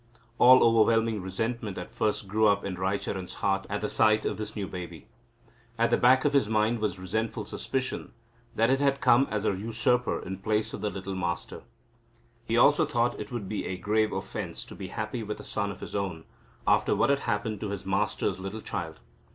All overwhelming resentment at first grew up in Raicharan's heart at the sight of this new baby. At the back of his mind was resentful suspicion that it had come as a usurper in place of the little Master. He also thought it would be a grave offence to be happy with a son of his own after what had happened to his master's little child.